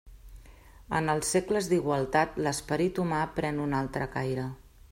En els segles d'igualtat, l'esperit humà pren un altre caire.